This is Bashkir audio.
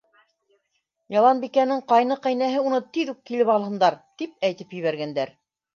— Яланбикәнең ҡайны-ҡәйнәһе уны тиҙ үк килеп алһындар, тип әйтеп ебәргәндәр.